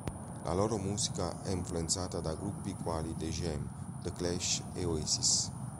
La loro musica è influenzata da gruppi quali The Jam, The Clash e Oasis.